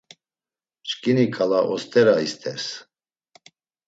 Çkini ǩala ostera isters.